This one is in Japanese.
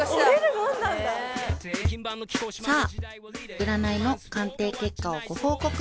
［さあ占いの鑑定結果をご報告］